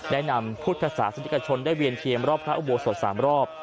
ได้นำพุทธศาสนิกชนได้เวียนเทียมรอบพระอุโบสถ๓รอบ